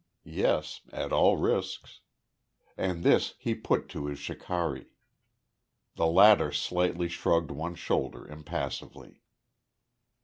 Yes, at all risks. And this he put to his shikari. The latter slightly shrugged one shoulder, impassively.